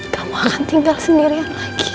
kamu akan tinggal sendirian lagi